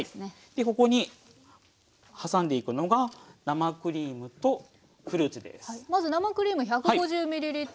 でここに挟んでいくのが生クリームとフルーツです。